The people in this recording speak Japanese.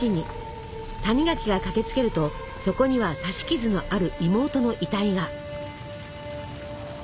谷垣が駆けつけるとそこには刺し傷のある妹の遺体が。